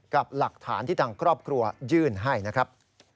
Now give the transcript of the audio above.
กับหลักฐานที่ทางครอบครัวยื่นให้นะครับ